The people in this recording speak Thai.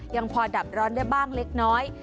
ยังพอดับร้อนได้บ้างเล็กน้อย